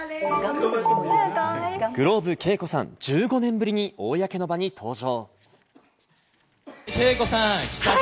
ｇｌｏｂｅ・ＫＥＩＫＯさん、１５年ぶりに公の場に登場。